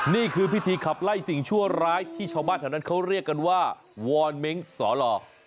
นี่คือพิธีขับไล่สิ่งชั่วร้ายที่ชาวบ้านแถวนั้นเขาเรียกกันว่าวอนเม้งสอหล่อ